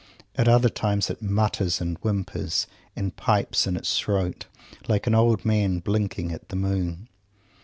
At other times it mutters, and whimpers, and pipes in its throat, like an old man blinking at the moon.